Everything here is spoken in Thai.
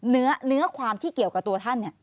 เนื้อความที่เกี่ยวกับตัวท่าน